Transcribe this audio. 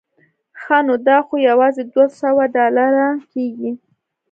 ښه نو دا خو یوازې دوه سوه ډالره کېږي.